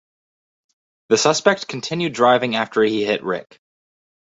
The suspect continued driving after he hit Rick.